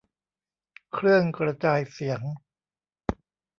เครื่องกระจายเสียง